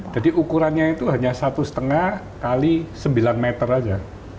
jadi ukurannya itu hanya satu setengah kali sembilan meter saja